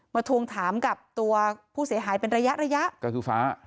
ทวงถามกับตัวผู้เสียหายเป็นระยะระยะก็คือฟ้า